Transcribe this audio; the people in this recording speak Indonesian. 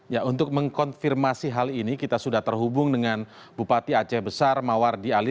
ya untuk mengkonfirmasi hal ini kita sudah terhubung dengan bupati aceh besar mawardi ali